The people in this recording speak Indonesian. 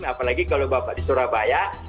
apalagi kalau bapak di surabaya